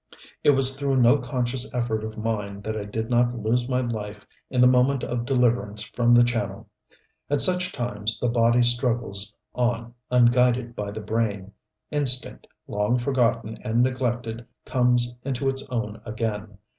It was through no conscious effort of mine that I did not lose my life in the moment of deliverance from the channel. At such times the body struggles on unguided by the brain; instinct, long forgotten and neglected, comes into its own again.